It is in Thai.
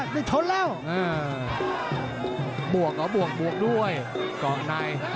ติดตามยังน้อยกว่า